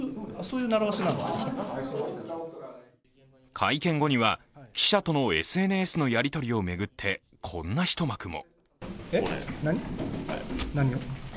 会見後には、記者とのＳＮＳのやり取りをめぐってこんな一幕も。